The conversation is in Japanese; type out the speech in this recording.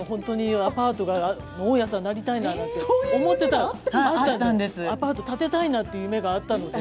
アパートの大家さんになりたいなって思っていたことがあったのでアパート建てたいなという夢があったので。